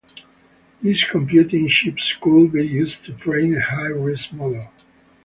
These computing chips could be used to train a high-risk model.